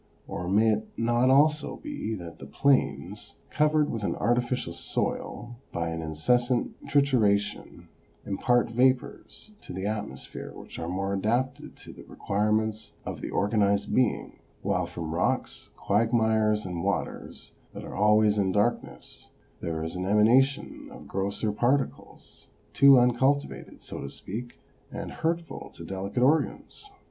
Or may it not also be that the plains, covered with an OBERMANN 327 artificial soil by an incessant trituration, impart vapours to the atmosphere which are more adapted to the require ments of the organised being, while from rocks, quagmires and waters that are always in darkness, there is an emana tion of grosser particles, too uncultivated, so to speak, and hurtful to delicate organs?